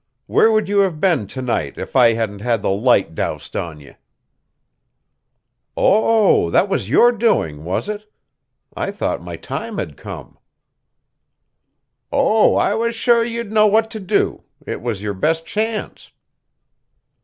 Where would you have been to night if I hadn't had the light doused on ye?" "Oh, that was your doing, was it? I thought my time had come." "Oh, I was sure you'd know what to do. It was your best chance."